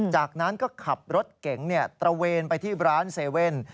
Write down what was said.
จากนั้นก็ขับรถเก๋งตระเวนไปที่ร้าน๗๑๑